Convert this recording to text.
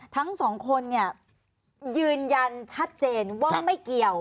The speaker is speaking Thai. ทั้งสองคนเนี่ยยืนยันชัดเจนว่าไม่เกี่ยว